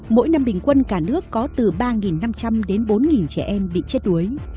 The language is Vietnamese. mỗi năm bình quân cả nước có từ ba năm trăm linh đến bốn trẻ em bị chết đuối